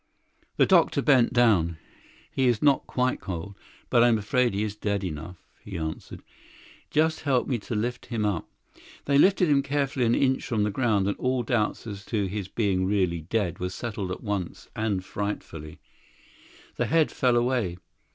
The doctor bent down. "He is not quite cold, but I am afraid he is dead enough," he answered. "Just help me to lift him up." They lifted him carefully an inch from the ground, and all doubts as to his being really dead were settled at once and frightfully. The head fell away.